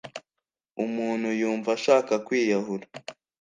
umuntu yumva ashaka kwiyahura